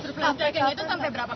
surveillance tracking itu sampai berapa